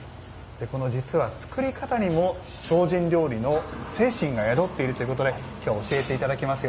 実は作り方にも精進料理の精神が宿っているということで今日教えていただきます。